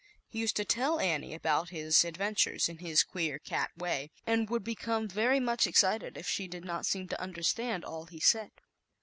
He used to tell Annie about his ad ventures, in his queer cat way, and would become very much excited if she did not seem to understand all he said.